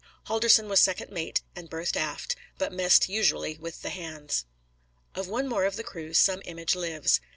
Holdorsen was second mate, and berthed aft, but messed usually with the hands. Of one more of the crew, some image lives.